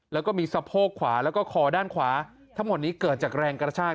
แล้วก็มีสะโพกขวาแล้วก็คอด้านขวาทั้งหมดนี้เกิดจากแรงกระชาก